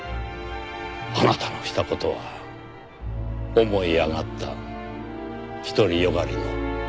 あなたのした事は思い上がった独り善がりの愚かな行為。